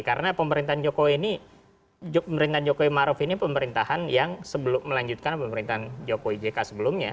karena pemerintahan jokowi ini pemerintahan jokowi maruf ini pemerintahan yang sebelum melanjutkan pemerintahan jokowi jk sebelumnya